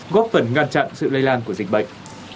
góp phần ngăn chặn sự lây lan của dịch bệnh